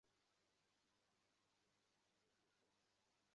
আমাদের যা করার ছিল আমি তাই করেছি।